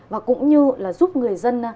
và cũng như là giúp người dân